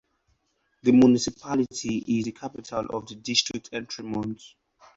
The municipality is the capital of the district of Entremont.